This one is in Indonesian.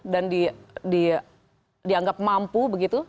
dan dianggap mampu begitu